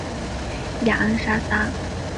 雅恩莎撒。